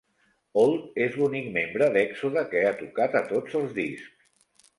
Holt és l'únic membre d"Èxode que ha tocat a tots els discs.